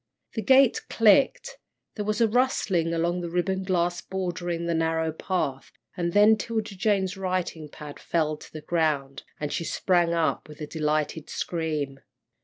The gate clicked, there was a rustling along the ribbon grass bordering the narrow path, and then 'Tilda Jane's writing pad fell to the ground, and she sprang up with a delighted scream.